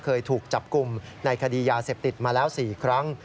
เคยถูกจับกลุ่มในคดียาเสพติดมาแล้ว๔ครั้ง